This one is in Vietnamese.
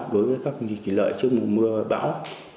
đối với các công trình thủy lợi trước mùa mưa bão